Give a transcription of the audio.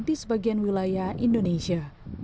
di sebagian wilayah indonesia